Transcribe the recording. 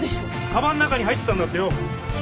かばんの中に入ってたんだってよ。